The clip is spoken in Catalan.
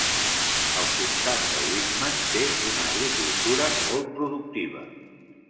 El comptat de Whitman té una agricultura molt productiva.